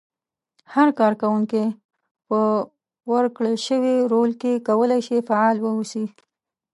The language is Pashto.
هر کار کوونکی په ورکړل شوي رول کې کولای شي فعال واوسي.